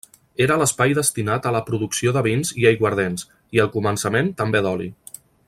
Era l'espai destinat a la producció de vins i aiguardents i, al començament, també d'oli.